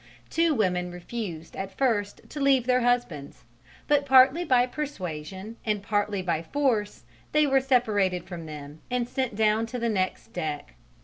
Two women refused at first to leave their husbands, but partly by persuasion and partly by force they were separated from them and sent down to the next deck.